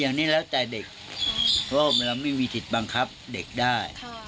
อย่างนี้แล้วแต่เด็กเพราะว่าเราไม่มีสิทธิ์บังคับเด็กได้